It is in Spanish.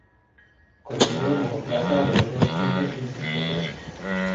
Con el nuevo monoplaza, logró dos quintos y un sexto puesto.